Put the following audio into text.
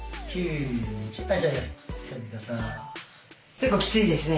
結構きついですね。